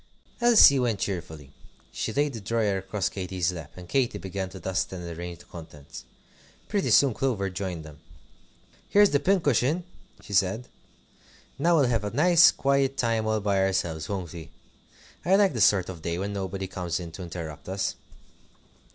Elsie went cheerfully. She laid the drawer across Katy's lap, and Katy began to dust and arrange the contents. Pretty soon Clover joined them. "Here's the cushion," she said. "Now we'll have a nice quiet time all by ourselves, won't we? I like this sort of day, when nobody comes in to interrupt us."